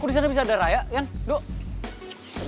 kok di sana bisa ada raya yan doh